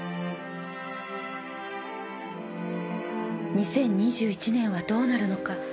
［２０２１年はどうなるのか？］